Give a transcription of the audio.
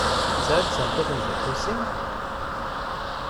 D ta ay d tameṭṭut n Dda Lḥusin?